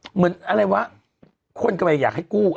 เหมือนอะไรวะคนก็ไม่อยากให้กู้